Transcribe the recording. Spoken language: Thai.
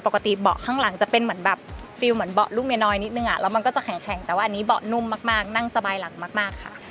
เบาะข้างหลังจะเป็นเหมือนแบบฟิลเหมือนเบาะลูกเมียน้อยนิดนึงแล้วมันก็จะแข็งแต่ว่าอันนี้เบาะนุ่มมากนั่งสบายหลังมากค่ะ